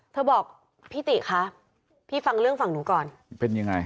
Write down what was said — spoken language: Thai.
บอกพี่ติคะพี่ฟังเรื่องฝั่งหนูก่อนเป็นยังไง